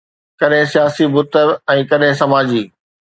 ڪڏهن سياسي بت ۽ ڪڏهن سماجي